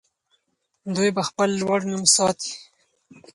دوی به خپل لوړ نوم ساتي.